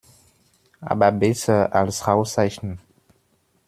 Aber besser als Rauchzeichen.